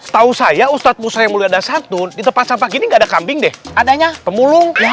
tahu saya ustadz musa yang mulia dasantun di tempat sampah gini nggak ada kambing deh adanya pemulung